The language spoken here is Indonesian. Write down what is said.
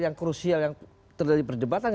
yang krusial yang terjadi perdebatan